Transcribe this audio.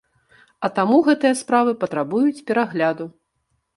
А таму гэтыя справы патрабуюць перагляду.